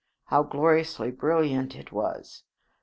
How gloriously brilliant it was!